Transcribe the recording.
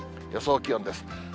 予想気温です。